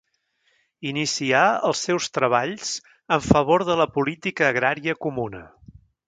Inicià els seus treballs en favor de la política agrària comuna.